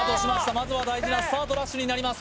まずは大事なスタートダッシュになります